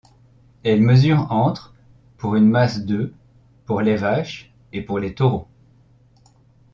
Elle mesure entre pour une masse de pour les vaches et pour les taureaux.